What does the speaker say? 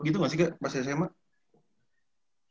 gitu gak sih kak pas sma